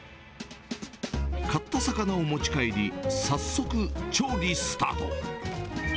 買った魚を持ち帰り、早速、調理スタート。